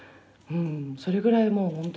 それぐらいもう本当